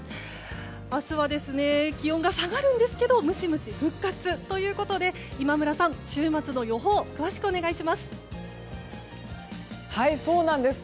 明日は、気温が下がるんですけどムシムシ復活ということで今村さん、週末の予報詳しくお願いします。